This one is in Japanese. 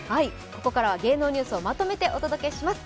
ここからは芸能ニュースをまとめてお届けします。